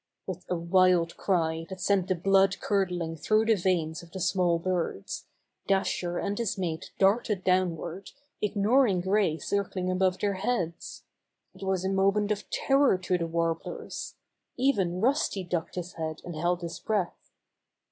With a wild cry that sent the blood curdling through the veins of the small birds, Dasher and his mate darted downward, ignoring Gray circling above their heads. It was a moment of terror to the warblers. Even Rusty ducked his head and held his breath.